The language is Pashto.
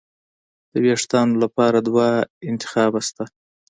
د وېښتانو لپاره دوه انتخابه شته.